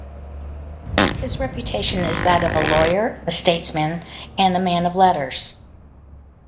His reputation is that of a lawyer, a statesman and a man of letters.